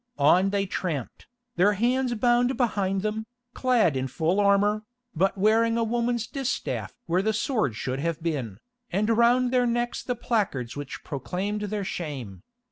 On they tramped, their hands bound behind them, clad in full armour, but wearing a woman's distaff where the sword should have been, and round their necks the placards which proclaimed their shame.